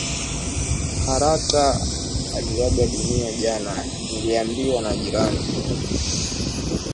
Haratah aliaga dunia jana, niliambiwa na jirani